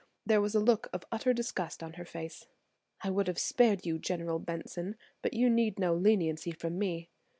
There was a look of utter disgust on her face. "I would have spared you, General Benson, but you need no leniency from me.